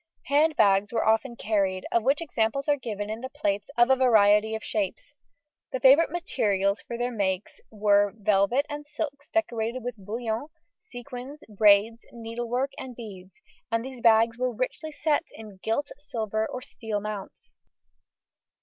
Hand bags were often carried, of which examples are given in the plates of a variety of shapes; the favourite materials for their make were velvets and silks decorated with bullion, sequins, braids, needlework, and beads, and these bags were richly set in gilt, silver, or steel mounts.